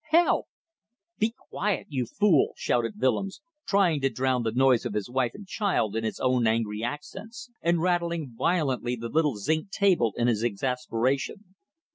"Help!" "Be quiet! You fool!" shouted Willems, trying to drown the noise of his wife and child in his own angry accents and rattling violently the little zinc table in his exasperation.